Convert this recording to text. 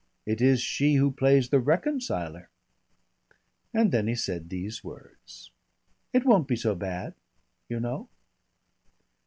It is she who plays the reconciler." And then he said these words: "It won't be so bad, you know."